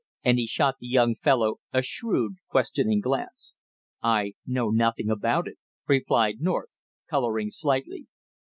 and he shot the young fellow a shrewd questioning glance. "I know nothing about it," replied North, coloring slightly.